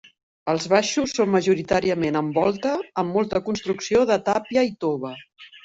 Els baixos són majoritàriament en volta, amb molta construcció de tàpia i tova.